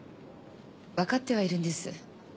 わかってはいるんです。